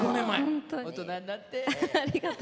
大人になって。